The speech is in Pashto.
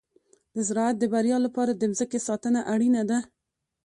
د زراعت د بریا لپاره د مځکې ساتنه اړینه ده.